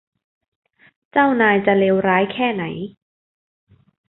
เจ้านายจะเลวร้ายแค่ไหน ?